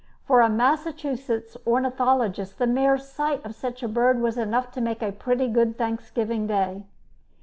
For a Massachusetts ornithologist the mere sight of such a bird was enough to make a pretty good Thanksgiving Day.